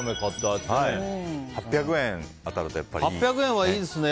８００円当たるといいですね。